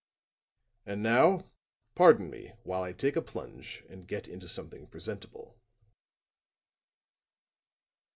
And now, pardon me while I take a plunge and get into something presentable."